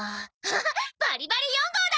バリバリ４号だ！